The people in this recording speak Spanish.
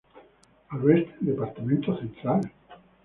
Al Oeste el Departamento Central.